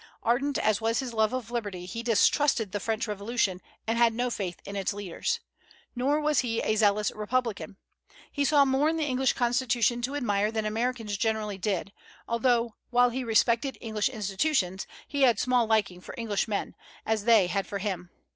Ardent as was his love of liberty, he distrusted the French Revolution, and had no faith in its leaders. Nor was he a zealous republican. He saw more in the English Constitution to admire than Americans generally did; although, while he respected English institutions, he had small liking for Englishmen, as they had for him.